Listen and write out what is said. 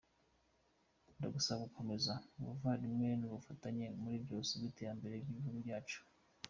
Ndagusaba gukomeza ubuvandimwe n’ubufatanye muri byose ku bw’iterambere ry’ibihugu byacu.